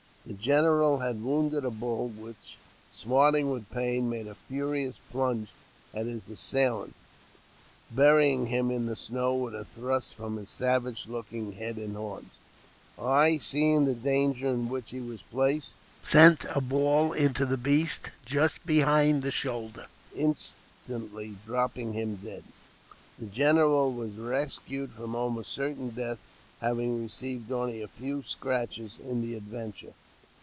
The general had wounded a bull, which, smarting with pain, made a furious plunge at his assailant, burying him in the snow with a thrust from his savage looking head and horns. I, seeing the danger in which he was placed, sent a ball into the beast just behind the shoulder, instantly dropping him dead. The general was rescued from almost certain death, having received only a few scratches in the adventure.